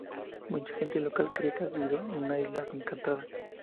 Mucha gente local cree que ha sido una isla encantada.